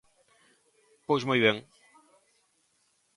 Pois moi ben.